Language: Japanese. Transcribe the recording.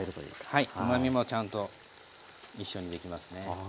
はいうまみもちゃんと一緒にできますね。